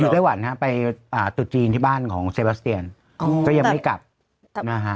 ไต้หวันฮะไปอ่าตุดจีนที่บ้านของเซบาสเตียนก็ยังไม่กลับนะฮะ